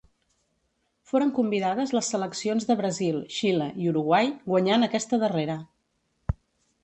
Foren convidades les seleccions de Brasil, Xile i Uruguai, guanyant aquesta darrera.